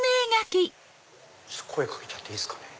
声かけちゃっていいっすかね？